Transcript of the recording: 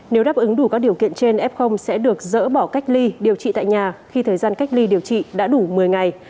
nếu đáp ứng đủ các điều kiện trên f sẽ được dỡ bỏ cách ly điều trị tại nhà khi thời gian cách ly điều trị đã đủ một mươi ngày